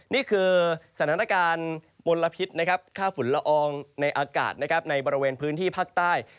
นี่คือสถานการณ์มลพิษนะครับค่าฝุ่นละอองในอากาศนะครับในบริเวณพื้นที่ภาคใต้